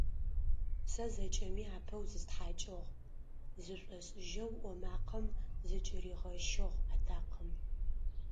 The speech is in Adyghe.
Сэ зэкӏэми апэу зыстхьакӏыгъ, - зышӏошӏыжьэу ӏо макъэм зыкӏыригъэщыгъ атакъэм.